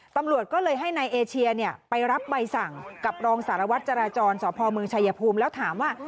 ตำรวจก็เลยให้นายเอเชียไปรับใบสั่งกับรองสารวัตรจราจรสพเมืองชายภูมิแล้วถามว่า